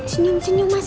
senyum senyum mas